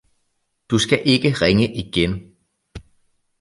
Du skal ikke ringe igen!